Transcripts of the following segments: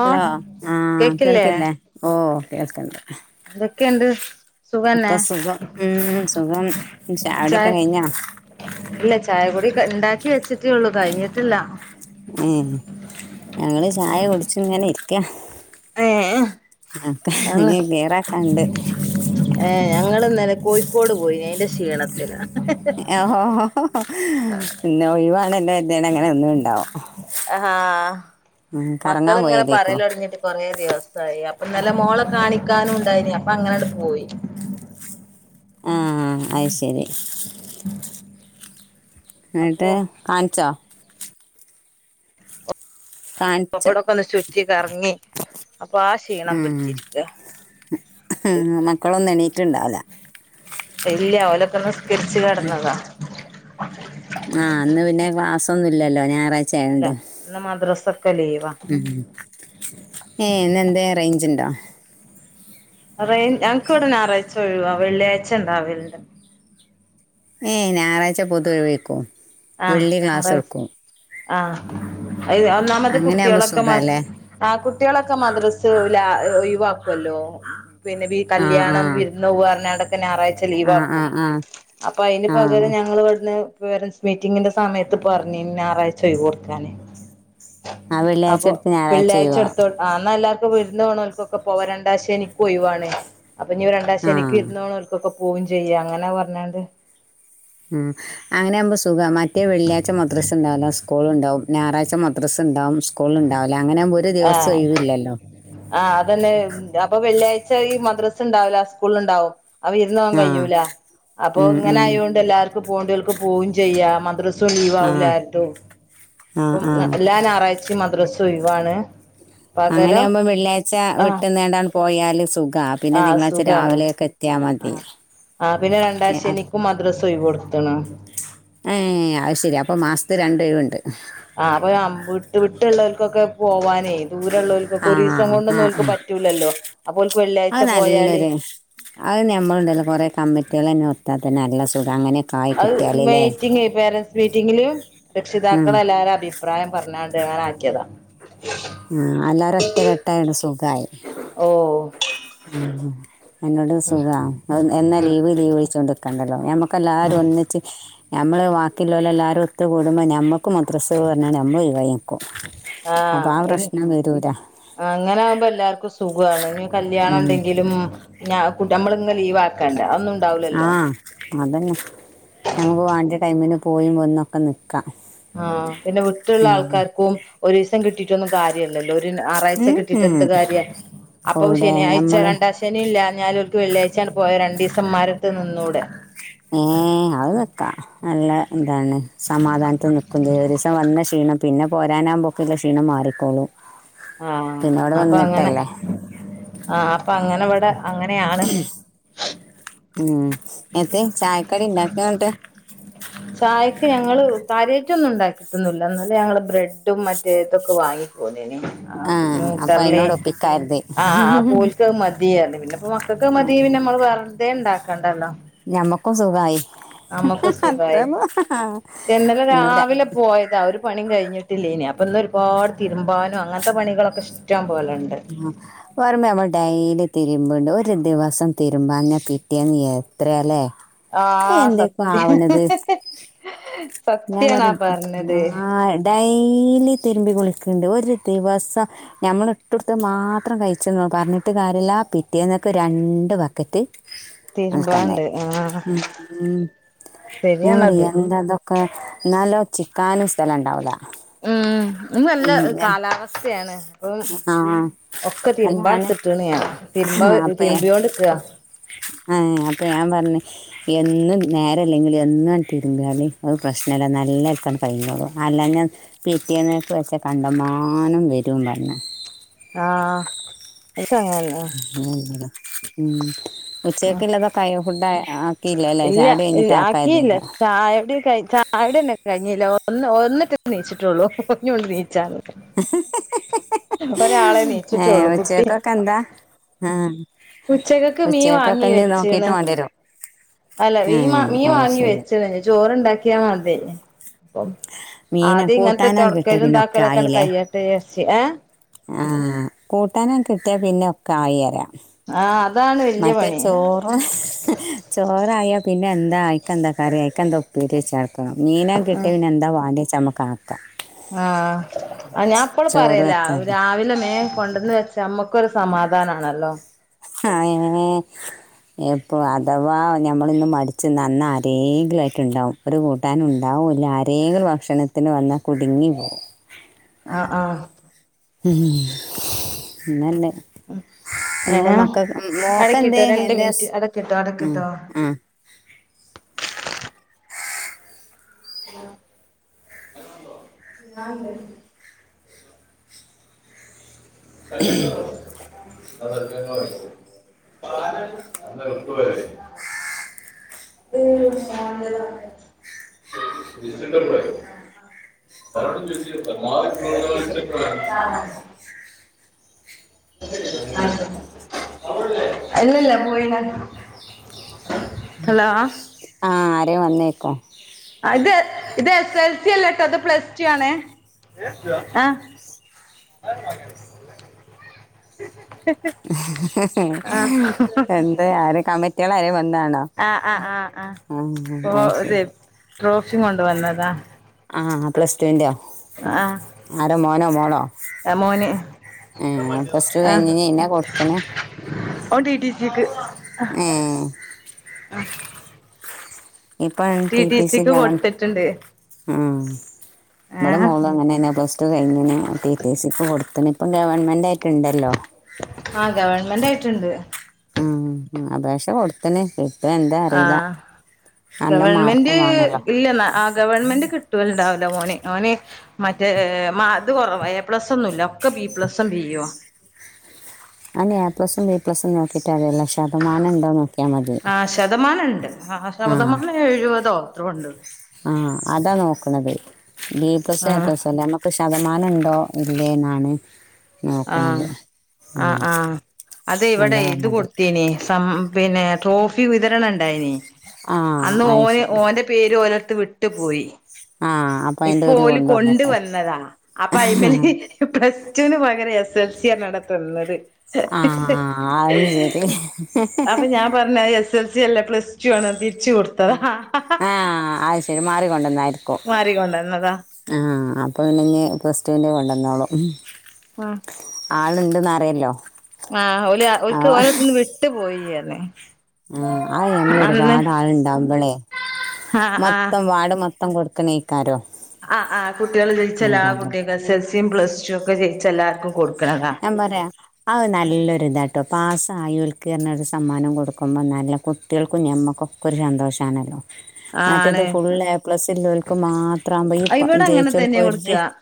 Hello ആ കേക്കില്ലേ കേൾക്കില്ലേ ഓ കേൾക്കണ്ട് എന്തൊക്കെയുണ്ട് സുഖന്നെ ഒക്കെ സുഖം ഉം സുഖം ചായ കുടി ഒക്കെ കഴിഞ്ഞ ഇണ്ടാക്കി വെച്ചിട്ടേ ഉള്ളു കഴിഞ്ഞിട്ടില്ല ഉം ഞങ്ങൾ ചായ കുടിച്ചു ഇങ്ങനെ ഇരിക്ക ക്യാ ഏ ഞങ്ങ ഇനി ക്ലിയറാക്കാണ്ട് ഏ ഞങ്ങള് ഇന്നലെ കോഴിക്കോട് പോയിനേ ഓ ഓ ഓ പിന്നെ ഒഴിവാണല്ലേ ദേൻനങ്ങനെ ഒന്നും ഇണ്ടാവും ആഹാ ഉം കറങ്ങാൻ പോയതേക്കും റേ ദിവസ് സായി അപ്പൊ ഇന്നലെ മോളെ കാണിക്കാനും ണ്ടായീന് അപ്പൊ അങ്ങനെണ്ട് പോയി ആഹ അയ് ശരി അപ്പൊ എൺട്ട് കാണിച്ചോ അപ്പൊ കാണിച്ച് അവിടൊക്കെ ഒന്ന് ചുറ്റി കറങ്ങി അപ്പൊ ആ ക്ഷീണം ഉം പിടിച്ചിരിക്ക ട്ടിണ്ടാവില്ല ഇല്ല ഓലക്കന്നു നിസ്കരിച്ചു കിടന്നത ആഹ് ഇന്ന് പിന്നെ ക്ലാസ്സൊന്നു ഇല്ലല്ലോ ഞാ ഇല്ല ഇന്ന് മദ്രസ് ഉം ഇന്ന് എന്തെ റേഞ്ച്ണ്ടോ [unintelligible] ഞങ്ങക്ക് ഇവിടെ ഞായറാഴ്ച ഒഴിവാ വെള്ളിയാഴ്ച ഉണ്ടാവലണ്ട് ഏയ് ഞായറാഴ്ച പൊതുവെ ഒഴിവക്കും ആഹ് വെള്ളി ക്ലാസ്സ്‌ ഞായറാഴ്ച എടുക്കും ആഹ് ഒന്നാമത് അങ്ങനെയാകുമ്പോ കുട്ടികളൊക്കെ മ സുഖല്ലേ ആ കുട്ടികളൊക്കെ മദ്രസ് [unintelligible] ഒഴിവ് വക്കല്ലോ പിന്നെ ഈ ആ ആ കല്യാണം വിരുന്നു പോവാന്ന [unintelligible] ഞായറാഴ്ച ആ ആ ലീവാക്കും ആ അപ്പൊ അതിന് ആ പകരം ഞങ്ങൾ ഇവിടുന്ന് വേറെൻസ് മീറ്റിങ്ങിന്റെ സമയത്ത് പറഞ്ഞ് ഞായറാഴ്ച ഒഴിവു കൊടുക്കാന് ആ വെള്ളിയാഴ്ച അപ്പൊ എടുത്ത് ഞായറാഴ്ച പിള്ളിയാഴ്ച ഒഴിവാ എടുത്തോ ആ [unintelligible] വിരുന്നോണോവ്ണോൽക്കൊക്കെ പോവാ രണ്ടാശനിക്കും ഒയിവാണ് അപ്പൊ നീ രണ്ട ആ ശനിക്ക് വിരുന്നോവ്ണോൽക്കൊക്കെ പോയും ചെയ്യാ അങ്ങനെ പറഞ്ഞണ്ട് ഉം അങ്ങനവുമ്പ സുഖ മറ്റേ വള്ളിയാ്ച മുദ്രസ് ഉണ്ടാവില്ലോ സ്കൂള ഉണ്ടാവും ഞായാഴ്ച്ച മദ്രസ്സ ഇണ്ടാവും സ്കൂള് ഇണ്ടാവില അങ്ങനെ ആവുമ്പ ഒരു ദിവസം ആഹ് ഒഴിവില്ലല്ലോ ആഹ് അതന്നെ അപ്പൊ വെള്ളിയാഴ്ച ഈ മദ്രസ് ഉണ്ടാവില്ല സ്കൂളിൽ ഇണ്ടാവും അവ ഇരുന്ന് പോകാൻ ആ കഴിയൂല അപ്പൊ ഉം ഇങ്ങനെ ഉം ആയോണ്ട് എല്ലാവർക്കും പോണ്ടിൽക്ക് പോവു ചെയ്യാം മദ്ര സു ലിവാ ആ മുല ആര് തു ആ അപ്പം ആ എല്ലാ ഞായറാഴ്ചയും മദ്രസ് സൊയിവാണ് അങ്ങനെയ ആകുമ്പോം വെള്ളിയാഴ്ച്ച വിട്ട്ന്നണ്ട് പോയാല് സുഖ പിന്നെ ആഹ് തിങ്കളാഴ്ച്ച സുഖാണ് രാവിലെക്കെ എത്തിയാ മതി ആഹ് ത്ത്ണ് ഏഹ് അശരി അപ്പൊ മാസത്തി രണ്ട് ഒഴിവ്ണ്ട് ആഹ് അപ്പൊ വിട്ട് വിട്ടുള്ളവർക്കൊക്കെ പോവാൻ ആഹ് ആഹ് ആഹ് പറ്റൂലല്ലോ അപ്പോൽക്ക് അത് വെള്ളിയാഴ്ച പോയാല് നല്ലൊരു അത് നമ്മളുണ്ടല്ല കൊറെ കമ്മിറ്റികൾ തന്നെ ഒത്താത്തന്നെ നല്ല സുഖാങ്ങനെ അത് മീറ്റിംഗ പേരൻറ്സ് മീറ്റിങ്ങിലും ഉം രക്ഷിതാക്കളെ എല്ലാവാരും അഭിപ്രായം പറഞ്ഞണ്ട് ഞൻ ആക്കിയതാ ആ എല്ലാരും ഒറ്റ കെട്ടായിണ് സുഖമായി ഓ ഉം എന്നോട് ഉം സുഖാ എന്നാ ഉം ലീവ് ലീവ് ചോയ്ച്ചോണ്ട് കണ്ടല്ലോ ഞമ്മക്ക് എല്ലാരും ഉം ഒന്നിച്ച് നമ്മള് വാക്കിലോല്ലെലാരും ഒത്ത് കൂടുമ്പോൾ നമ്മ നമുക്ക് മാത്രം സുഖാ പറഞ്ഞാണ് നമ്മൾ ഒഴിവാക്കും കൊ ആ ഇൻ അങ്ങനെ ആകുമ്പോ എല്ലാർക്കും സു സുഖമാണ് നി കല്യാണം ഉം ഉണ്ടെങ്കിലും ഞ കുട്ടൃമ്മള് ന്ന് ലീവാക്കാണ്ട ഒന്നും ഉണ്ടാവില്ലല്ലോ ഞമ്മക്ക് വാണ്ടൃ ടൈമിനും പോയി മുന്നൊക്കെ നിക് ആ പിന്നെ വിട്ടുള്ള ഇവിടെ ആൾക്കാർക്കും ഒരു ദിവസം കിട്ടിട്ടൊന്നും കാര്യല്ലല്ലോ ഒരു ആറാഴ്ച കിട്ടിട്ട് എന്ത്‌ കാര്യ അപ്പൊ ശനിയാഴ്ച നമ്മള് രണ്ടാ ശെനില്ലൃ ഞ്ഞാല് ഓൽക്ക് വെള്ളിയാഴ്ച്ചാ അങ്ങട് പോയി രണ്ടീസം ഉമ്മാടടുത്ത് നിന്നൂടെ ഉം അത് നിക്കാ നല്ല ഇതാണ് സമാധാനത്തിൽ നിക്കും ചെയ്യാം ഒരീസം വന്ന ക്ഷീണം പിന്നെ പോരാനാകുമ്പോക്കെ ഇള്ള ക്ഷീണം മാറിക്കോളൂം ആ അപ്പൊ അങ്ങനെ ആപ് അങ്ങനെ ഇവിടെ അങ്ങനെയാണ് ഉം ത്തെ ചായക്കടി ഇണ്ടാക്കിന്ന് പറഞ്ഞിട്ട് ചായക്ക് ഞങ്ങള് കാരൃറ്റൊന്നും ഉണ്ടാക്കിയിട്ടൊന്നുമില്ല എന്നാല് ഞങ്ങള് ബ്രെഡും മറ്റേതൊക്കെ വാങ്ങി പോന്നു ആ അപ്പൊ അതിനോട് ന്യൂട്ടർലേയും ഒപ്പിക്കാരുത് ആ ആ ഓൽക്കത് മതിന്നർഞ്ഞു പിന്നെപ്പോവാം ക്ക്ക്കൊകെ മതി പിന്നെ നമ്മള് പറ തെ ഉണ്ടാക്കണ്ടല്ലോ ഞമ്മക്കും സുഖായി നമുക്ക് സുഖമായി അത്രയൊന്നും ക്ഷേ ഇന്നലെ ഇന്നര രാവിലെ പോയതാ ഒരു പണിയും കഴിഞ്ഞി ഇല്ലേനി അപ്പൊ ഇന്ന് ഒരുപാട് തിരുമ്പാനും അങ്ങനത്തെ പണികളൊക്കെ ഇഷ്ട ആ വർമ്മേമ്മ ഡൈലി തിര്മ്പണ്ട് ഒരു ദിവസം തിര്മ്പാഞ്ഞ പിറ്റേന്ന് എത്രയാലേ. ആ സത്യം ഞാൻ സത്യാണ് ആ പറഞ്ഞത്. ഡെയ്ലി തിരുമ്പി കുളിക്കണ്ട് ഒരു ദിവസം ഞമ്മള് ഇട്ടടുത്ത് മാത്രം കഴിച്ച്ന്ന് പറഞ്ഞിട്ട് കാര്യല്ല, പിറ്റേന്നൊക്കെ രണ്ട് ബക്കറ്റ് ആൽക്കണ്ടായി തിരുമ്പാണ്ട് ആഹ് മ് ശരിയാണത് [unintelligible] എന്താ ഇതൊ ക്ക നല്ലോ ചിക്കാനും സ്ഥലംണ്ടാവുല. ഉം ഇന്ന് നല്ല കാലാവസ്ഥയാണ്, ഏ ആ അല്ലാണ് ഞാൻ തിരുമ്പ അപ്പ ഏ തിരുമ്പിയോണ്ട്ക്കാ ഏ അപ്പ ഞാൻ പറഞ്ഞ് എന്നും നേര അല്ലെങ്കിൽ എന്നും തിരുമ്പല് അത് പ്രശ്നല്ല നല്ല [unintelligible] കഴഞ്ഞോളു അല്ല ഞാൻ പിറ്റേന്ന് [unintelligible] കണ്ടമാനം വരും പറഞ്ഞ ആ അത് [unintelligible] ഉം ഉച്ചക്കുള്ളത കൈ ഫുഡായ ആ ഇല്ല ആക്കിയില്ല ചായ കുടി കയ് ചായ കുടിന്നെ കഴിഞ്ഞില്ലോ ഒന്ന് ഒന്നിട്ട് നീച്ചിട്ടുള്ളൂ ഇനിയുണ്ട് നീയിച്ചാന്. ഏ നീച്ചിട്ടുള്ളൂ കുട്ടി ഉച്ചക്കൊക്കെ എന്താ ആ ഉച്ചകക്ക് മീൻ ഉച്ചക്കൊക്കെ വാങ്ങി ഇനി നോക്കിട്ട് വെച്ചീണ് വാണ്ടി വരും. അല്ല മീൻ വാ മീ വാങ്ങി വെച്ചണ്, നി ചോ ചോറ്ണ്ടാക്കിയാൽ മതി. അപ്പം മീന് അത് ഇങ്ങനത്തെ കൂട്ടാനാണ് കിട്ടിയ തൊടക്കലും പിന്നെ ഒക്കെ ണ്ടാക്കലൊക്കെയങ്ങട് കയ്യട്ടെ വിചാരിച് ച്ച് എ ആ കൂട്ടാനും കിട്ടിയാ പിന്നെ ഒക്കെ ആയി പറയാ. ആ അത് മറ്റേ ചോറ് ചോറ് ആയ പ് പിന്നെ എന്തായി ക്ക എന്താ കറി ക്ക എന്താ ഉപ്പേരി വെച്ച [unintelligible] ആ മീനാ കിട്ടിയ പിന്നെ എന്താ വാണ്ടിയെ ചമക്കാ ആ ആ ഞാൻ അപ്പള് ചോറ് പറയല വെച്ചാണ്ട് രാവില മേ കൊണ്ടുവന്ന് വെച് നമ്മക്കൊരു സമാധാനാണല്ലോ. ഹാ [unintelligible] എപ്പോ അഥവാ ഞമ്മളിന്ന് മടിച്ച് നിന്നാല് ആരേങ്കിലൊക്കെ ഇണ്ടാവും, ഒരു കൂട്ടാനും ഉണ്ടാവുംല്ല അരെേങ്കിലും ഭക്ഷണത്തിന് വന്നാ കുടുങ്ങി പോവും. ആ ആ [unintelligible] ഇന്നല്ലേ ഉ ഏർ മോക്കെന്തേ അടക്കിട്ടോ രണ്ട് എൻ്റെ ഹസ് മിനിറ്റ് അടക്കിട്ടോ ഉം, അടക്കട്ടോ ഉം. ആ ഞാനണ്ട് അോ [unintelligible] ആ [unintelligible] അന്ന് എളുപ്പ വരല്ലേ [unintelligible] ത [unintelligible] വിസിിട്ടടെയോ [unintelligible] [unintelligible] അല്ലല്ല പോയിന ഹലോ ആ അവിടെ വന്നേക്കും ഇത് ഇത് എസ് എൽ സി അല്ല കേട്ടോ അത് പ്ലസ് ടു ആണേ ആ ആ എന്ത ആര കമറ്റ [unintelligible] ളരെ [unintelligible] ആഹ ആ ആ് ആ അത് അതെ ശരി ട്രോഫിയ കൊണ്ടുവന്നതാ പ്ല ടുവിൻറെ ആ ആരോ മോനോ മോളോ മോന് ആ ഫസ്റ്റ് കഴിഞ്ഞന്ന കൊടുക്കണെ ഓ ടിടി സിക്ക് ആ [unintelligible] ടി ടി സി സിക്ക് ലെവൻ കൊടുത്തിട്ടുണ്ട് ആ നമ്മടെ ഏഹ് മോളും അങ്ങനെെ അത് കഴിന ത സ കൊടു അത്തനി ഇപ്പം ഗവൺമെൻറ് ആയിട്ടുണ്ടല്ലോ ണ്ട് [unintelligible] ആ അപേക്ഷ കൊടുത്തനെ ആഹ മാർക്കും ഗവൺമെന്റ് വേണല്ലോ ഇല്ലെന്ന ആ ഗവൺമെന്റ് കിട്ടുവലണ്ടാവില്ല മോനെ ന് മറ്റേ മ അത് കൊറവാ എ പ്ലസ ഒന്നുമല്ല ഒക്കെ ബിപ്ലസും ബോ അ എ പ്ലസും ബി പ്ലസും വോക്കിട്ട അല്ല [unintelligible] ആ ശതമാനംുണ്ട് ആ ശതമാനം എഴുപതോ അത്രുണ്ട് ആഹ അതാ നോക്കണത് ബീ ആഹ് കസായപ്പസല്ല ശതമാനംുണ്ടോ ഇല്ലേ എന്നാണ് ആഹ് നോക്കണത് ആ ആ അതി ഇവടെ അതാ ഇത് പറഞ്ഞത് കൊടുത്തീനി സം പിന്നെ ട്രോഫി വിതരണണ്ടായി നി ആ അന്ന് അത് ഓന് ശരി ഓന്റെ പേര് ഓരൊ ത്ത് വിട്ടു പോയി ആ അപ്പം അതിൻ്റെ ഇപ്പോ ഒരു ഓല് കൊണ്ടുവന്നേക്കാം കൊണ്ടുവന്നതാ അപ്പൊ അയിമല് പ്ലസ് റ്റുന് പ എസ് എസ് എൽ സിയർഞ്ഞണ്ടാ തന്നത് ആ അത് ശരി അപ്പം ഞാൻ പർഞ്ഞ് അത് എസ് എ സി അല്ല പ്ലസ് ടു ആണ് തിര്ച്ച കൊടുത്തതാ കൊണ്ടന്നായി ക്കും മാറിക്കൊണ്ടന്നതാ ആ അപ്പം ഇനി ഞ് പ്ലസ്‌റ്റുൻ്റെ കൊണ്ട ന്നോളും ആഹ് ആള് ണ്ട് ന്ന [unintelligible] ആഹ് ഓല് ഓൽക്ക് ഓലട്ത് ന്ന് വിട്ടു പോയീ [unintelligible] ന് ആ അത് ഞമ്മൾ ഒരുപാട് ആളുണ്ടാവുമ്പളെ ആഹ് മൊത്തം വാർഡ് മൊത്തം കൊടു ണേക്കാരോ അ ആ കുട്ടികൾ ജയിച്ചല്ലോ ആ കുട്ടി [unintelligible] [unintelligible] പ്ലസ് റ്റു ഒക്കെ ജയിച്ച എല്ലാർക്കും കൊടുക്കണതാ ഞാൻ പറയാ അത് നല്ലൊരു ഇതാട്ടോ പാസ് സായോൽക്ക് അർഞ്ഞാണ്ട് ഒരു സമ്മാനം കൊടുക്കുമ്പം നല്ല കുട്ടിയേൾക്കും ഞമ്മൾക്കൊക്കെ ഒരു സന്തോഷാണല്ലോ മറ്റേത് ആണ് ഫുള്ള് എ പ്ലസ് ഇല്ലോൽക്ക് മാത്രാവുമ്പം ഈ ഇവിടെ അങ്ങനെ ജയിച്ചോൽക്ക് തന്നെയാ ഒര് കൊടുക്കുക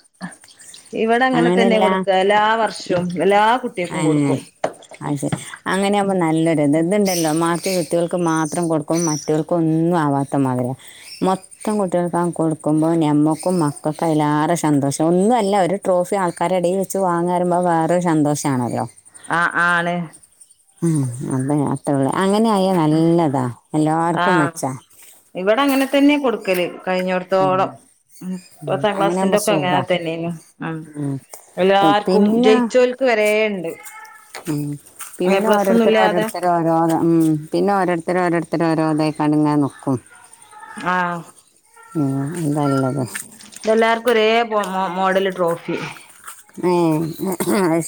ഇവിടെ അങ്ങനെ തന്നെ അങ്ങനെല്ല കൊടുക്കുക എല്ലാ വർഷവും എല്ലാ ആ കുട്ടികൾക്കും കൊടുക്കും അത് ശരി അങ്ങനെയാവുമ്പോ നല്ലൊരുത് ഇതുണ്ടല്ലോ മാത്തി കുട്ടിയേൾക്ക് മാത്രം കൊടുക്കും മറ്റോൽക്ക് ഒന്നും ആവാത്തമാതിര്യാ മൊത്തം കുട്ടിയേൾക്കും കൊടുക്കുമ്പം ഞമ്മക്കും മക്കൾക്കും അയിലേറെ സന്തോഷം ഒന്നുല്ല ഒരു ട്രോഫി ആൾക്കാരുടെ ഇടയിൽ വെച്ച് വാങ്ങാ റിമ്പം വേറെരു ശന്തോഷാണല്ലോ ആ ആ ആണ് ഉം അതെ [unintelligible] അങ്ങനെയായാ നല്ലതാ എല്ലാവർക്കും ആഹ് മെച്ചാ ഇവിടെ അങ്ങനെ തന്നെ കൊടു ക്കല് കഴിഞ്ഞൊട്ത്തോളം ഉം പത്താം അങ്ങനെ ആകുമ്പോ ക്ലാസിൻ്റെക്കെ അങ്ങനെ സുഖാ തന്നെനു ഉം എല്ലാർക്കും പിന്നെ ജയിച്ചോൽക്ക് വരേ ണ്ട് ഉം പിന്നെ ഓരോരുത്തര് ഇല്ലാതെ ഓരോരുത്തരെ ഓരോ ഉം പിന്നെ ഓരോരുത്തര് ഓരോരുത്തരെ ഓരോതാ ക്കാണ്ട്ങ്ങനെ നിക്കും മ് ഉം ഇതെല്ലാർ ഒരേ മോ മോ മോഡൽ ട്രോഫി ഏഹ് അത് ശെ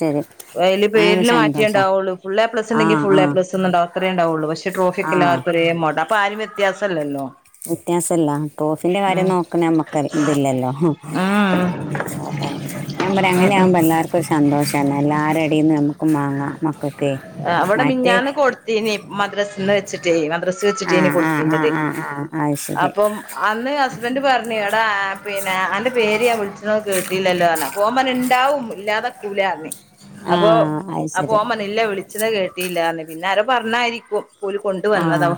അതില് പേരിന് മാറ്റേണ്ടാവുള്ളു ഫുൾ എ പ്ലസ് ആ ഉണ്ടെങ്കിൽ ഫുൾ ആ എ പ്ലസ് ഒണ്ടാവുള്ളു അത്രയെ ഉണ്ടാവുള്ളൂ പക്ഷെട്രോഫി ആ ഒക്കെ എല്ലാവർക്കും ഒരേ മോഡ ഇപ്പോൾ ആരും വ്യത്യാസമല്ലല്ലോ വ്യത്യാസല്ല ട്രോഫിന്റെ കാര്യം നോക്കുന്നെ നമ്മക്ക് ഇതില്ലല്ലോ ഹും ഉം ഞാൻ പറയാ അങ്ങനെ ഉം ആവുമ്പോ എല്ലാർക്കും ഒരു സന്തോഷാണ് എല്ലാരേം [unintelligible] നമുക്കും വാങ്ങാം മ അവിടെ മിനിഞ്ഞാന്ന് കൊടുത്തീനി മദ്രസിൽന്ന് വെ [unintelligible] മദ്രസേ വെച്ചിട്ട് ആ തന്നെ ആ ആ കൊടുത്തിന്നത് ആ ആ അത് ശരി അപ്പം അന്ന് ഹസ്ബന്റ് പറഞ്ഞു എടാ പിന്നെ അന്റെ പേര് വിളിച്ചണത് കേട്ടില്ലല്ലോ ഓൻ പറഞ്ഞു ഉണ്ടാവും ഇല്ലാതെ കൂല പറഞ് ആ അപ്പൊ അത് അപ്പൊ ശരി ഓൻ പറഞ്ഞു ഇല്ല വിളി വിളിച്ചണ കേട്ടിയില്ലന്ന് പിന്നെ ആരോ പറഞ്ഞായിരിക്കും പോലു ആ കൊണ്ടുവന്നത ഉ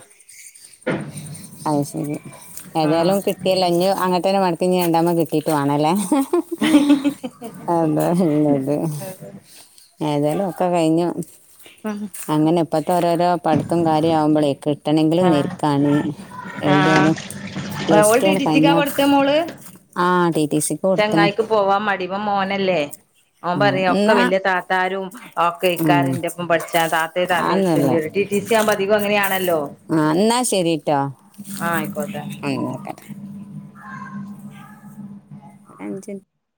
അത് ശരി ഏതായാലും കിട്ടിയല്ലോ ഇനീം അങ്ങനെ തന്നെ വർ പിന്നെ രണ്ടാമത് കിട്ടിയിട്ട് വേണമല്ലേ അതാ നല്ലത് ഏതാലും ഒക്കെ കഴിഞ്ഞു ഉം അങ്ങനെ ഇപ്പത്തെ ഒരോരോ പഠിത്തവും കാര്യങ്ങളും ആവുമ്പളെ കെ ട്ടെണെങ്കിലും ആഹ് നെർക്കാണ് ആഹ് അവൾ ടി ടി സി ക്കാ കഴിഞ്ഞ പടിച്ചേ മോള് ആ ടി ടി സിക്ക് കൊടുത്തണ് ചെങ്ങായക്ക് പോവാൻ മടി ഇവൻ മോനല്ലേ ഓൻ ഉം പറയാ ഒക്കെ എന്നാ വല്യ താത്താരും ഒക്കെ ഉം ഇക്കാരും എന്റെറ ഒപ്പം പഠിച്ചാ താത്തേ താത്തേ വിളിച്ചണ്ട് ആന്നല്ലേ ടി ടി സി ആകുമ്പോ അധികം അങ്ങനെയാണ് ആ എന്നാ ശരിട്ടോ ആഹ് ആയിക്കോട്ടെ അങ്ങക്കെ അഞ്ച്